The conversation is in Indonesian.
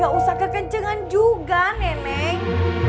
gak usah kekencengan juga nenek